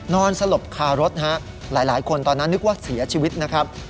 สลบคารถฮะหลายคนตอนนั้นนึกว่าเสียชีวิตนะครับ